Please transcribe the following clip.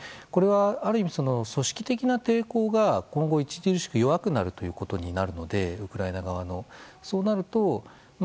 これは、ある意味組織的な抵抗が今後著しく弱くなることになるのでウクライナ側も。